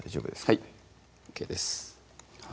はいＯＫです